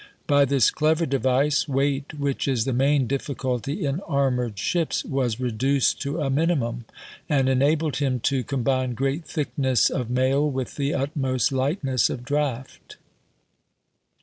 By this clever de\dce, weight, which is the main difficulty in armored ships, was reduced to a minimum, and enabled him to com bine great thickness of mail with the utmost light ness of di aft.